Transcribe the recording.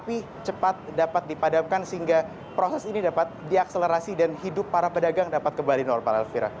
api cepat dapat dipadamkan sehingga proses ini dapat diakselerasi dan hidup para pedagang dapat kembali normal elvira